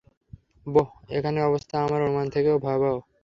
বোহ, এখানের অবস্থা আমার অনুমান থেকেও ভয়াবহ।